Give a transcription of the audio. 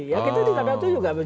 ya gitu di tadatu juga